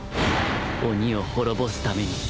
鬼を滅ぼすために